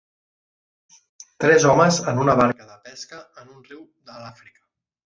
Tres homes en una barca de pesca en un riu a l'Àfrica.